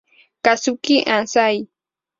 Kazuki Anzai